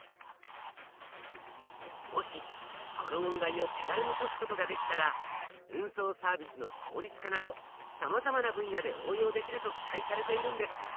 もしこの問題を手軽に解くことができたらさまざまな分野で応用できると期待されているんです。